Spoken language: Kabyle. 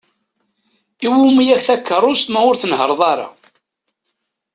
Iwumi-ak takeṛṛust ma ur tnehher-ḍ ara?